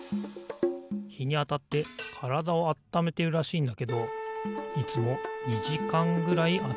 ひにあたってからだをあっためてるらしいんだけどいつも２じかんぐらいあたってんだよな。